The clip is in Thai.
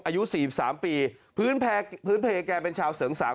อายุสี่สามปีพื้นแผลพื้นแผลแกเป็นชาวเสริงสาง